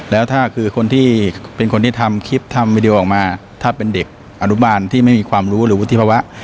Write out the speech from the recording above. แล้วถ้าคือคนที่เป็นคนที่ทำคลิปทำวิดีโอออกมาถ้าเป็นเด็กอนุบาลที่ไม่มีความรู้หรือวุฒิภาวะ